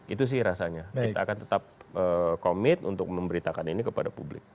itu sih rasanya kita akan tetap komit untuk memberitakan ini kepada publik